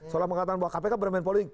seolah mengatakan bahwa kpk bermain politik